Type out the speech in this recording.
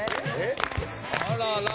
あらら誰？